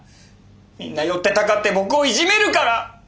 みんな寄ってたかって僕をいじめるから！